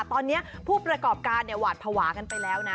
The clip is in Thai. ตอนนี้ผู้ประกอบการหวาดภาวะกันไปแล้วนะ